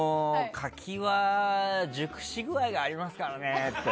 柿は熟し具合がありますからねって。